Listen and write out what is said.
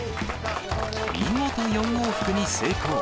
見事、４往復に成功。